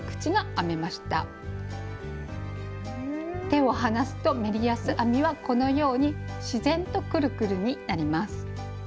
手を離すとメリヤス編みはこのように自然とくるくるになります。